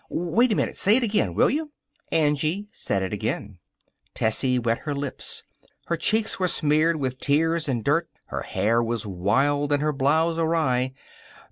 Wait a minute! Say it again, will you?" Angie said it again, Tessie wet her lips. Her cheeks were smeared with tears and dirt. Her hair was wild and her blouse awry.